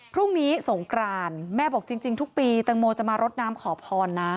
พรุ่งนี้สงกรานแม่บอกจริงทุกปีแตงโมจะมารดน้ำขอพรนะ